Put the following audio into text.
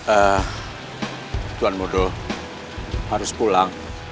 eh tuan mudo harus pulang